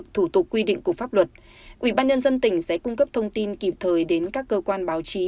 thủ tục quy định của pháp luật ủy ban nhân dân tỉnh sẽ cung cấp thông tin kịp thời đến các cơ quan báo chí